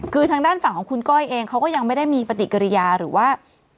คือทางด้านฝั่งของคุณก้อยเองเขาก็ยังไม่ได้มีปฏิกิริยาหรือว่า